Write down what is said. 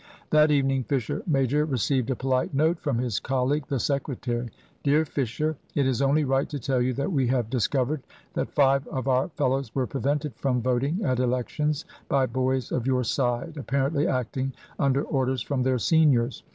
That evening Fisher major received a polite note from his colleague, the secretary. "Dear Fisher, It is only right to tell you, that we have discovered that five of our fellows were prevented from voting at Elections by boys of your side, apparently acting under orders from their seniors.